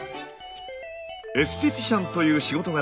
エステティシャンという仕事柄